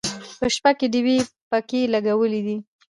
په شپه کې ډیوې پکې لګولې دي.